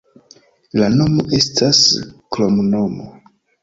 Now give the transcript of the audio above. La nomo estas kromnomo.